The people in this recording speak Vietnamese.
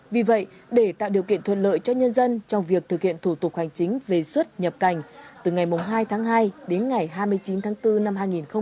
vì vậy để tạo điều kiện thuận lợi cho nhân dân trong việc thực hiện thủ tục hành chính về xuất nhập cảnh từ ngày hai tháng hai đến ngày hai mươi chín tháng bốn năm hai nghìn hai mươi